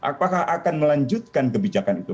apakah akan melanjutkan kebijakan itu